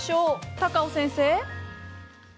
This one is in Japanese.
高尾先生。